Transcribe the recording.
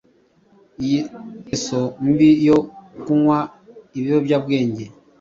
iyi ngeso mbi yo kunywa ibiyobyabwenge